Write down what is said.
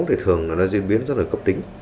thì thường nó diễn biến rất là cấp tính